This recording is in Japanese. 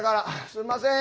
すんません。